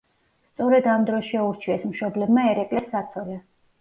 სწორედ ამ დროს შეურჩიეს მშობლებმა ერეკლეს საცოლე.